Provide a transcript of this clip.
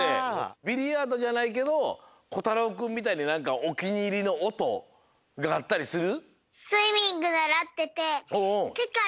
ビリヤードじゃないけどこたろうくんみたいになんかおきにいりのおとがあったりする？